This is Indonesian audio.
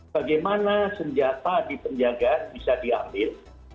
bagaimana senjata di penjagaan bisa diambil